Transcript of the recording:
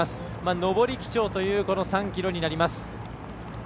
上り基調という３ｋｍになります。